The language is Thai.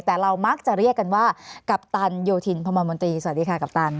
แต่เรามักจะเรียกกันว่ากัปตันโยธินพมมนตรีสวัสดีค่ะกัปตัน